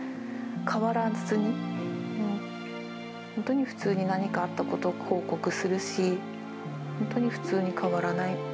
変わらずに、本当に普通に何かあったことを報告するし、本当に普通に変わらない。